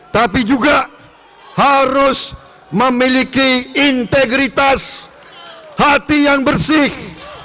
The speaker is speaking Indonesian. tapi juga harus memiliki integritas hati yang bersih